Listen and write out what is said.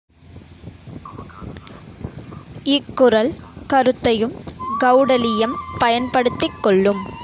இக்குறள் கருத்தையும் கெளடலீயம் பயன்படுத்திக் கொள்ளும்.